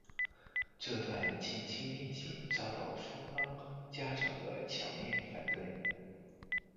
这段近亲恋情遭到双方家长的强烈反对。